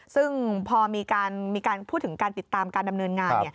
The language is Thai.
ซึ่งพอมีการพูดถึงการติดตามการดำเนินงาน